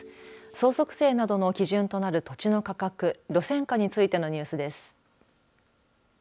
相続税などの基準となる土地の価格路線価についてのニュースです。